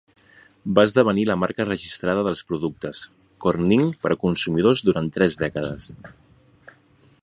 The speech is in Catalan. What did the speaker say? Va esdevenir la marca registrada dels productes Corning per a consumidors durant tres dècades.